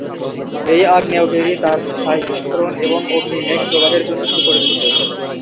এই আগ্নেয়গিরি তার ছাই বিস্ফোরণ এবং অগ্নি-মেঘ প্রবাহের জন্য সুপরিচিত।